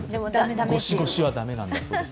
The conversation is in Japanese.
ゴシゴシは駄目なんだそうです